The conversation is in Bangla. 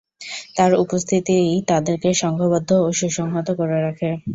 তার উপস্থিতিই তাদেরকে সংঘবদ্ধ ও সুসংহত করে রাখে।